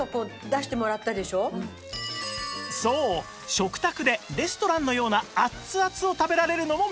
食卓でレストランのようなアツアツを食べられるのも魅力